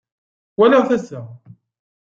Walaɣ-t ass-a.